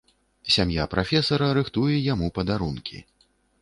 Сям'я прафесара рыхтуе яму падарункі.